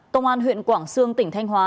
tông an huyện quảng sương tỉnh thanh hóa